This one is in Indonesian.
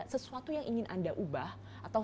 sesuatu yang ingin anda ubah atau